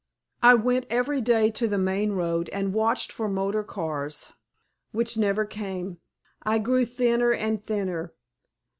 I went every day to the main road and watched for motor cars, which never came. I grew thinner and thinner.